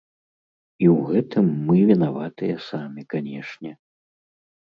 І ў гэтым мы вінаватыя самі, канешне.